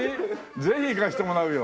ぜひ行かせてもらうよ。